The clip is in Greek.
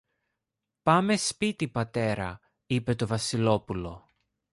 Πάμε σπίτι, πατέρα, είπε το Βασιλόπουλο